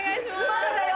まだだよ！